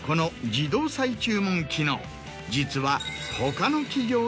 実は。